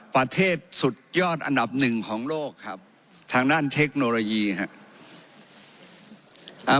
ประเทศสุดยอดอันดับหนึ่งของโลกครับทางด้านเทคโนโลยีครับ